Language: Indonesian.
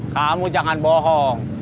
kamu jangan bohong